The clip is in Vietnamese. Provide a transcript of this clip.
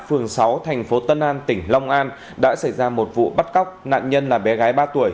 phường sáu thành phố tân an tỉnh long an đã xảy ra một vụ bắt cóc nạn nhân là bé gái ba tuổi